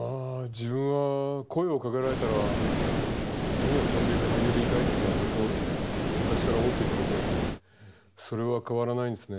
自分は声をかけられたらとにかく飛んでいく俳優でいたいっていうのはずっと昔から思っていたことなんでそれは変わらないんですね。